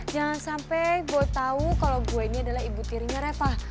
jangan sampai gue tahu kalau gue ini adalah ibu tirinya refah